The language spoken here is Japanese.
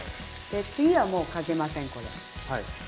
次はもうかけませんこれ。